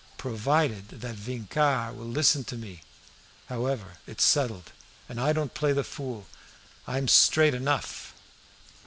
"Provided that Vincart will listen to me! However, it's settled. I don't play the fool; I'm straight enough."